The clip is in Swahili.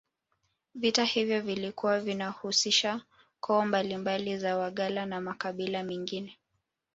Vita hivyo vilikuwa vinahusisha koo mbalimbali za Wagala na makabila mengine